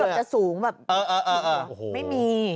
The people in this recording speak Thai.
ที่เกือบจะสูงแบบไม่มี